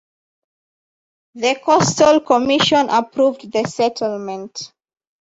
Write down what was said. The Coastal Commission approved the settlement.